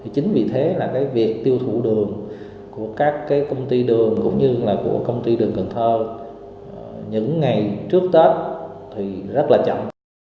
chính vì thế là việc tiêu thụ đường của các công ty đường cũng như là của công ty đường cần thơ những ngày trước tết thì rất là chậm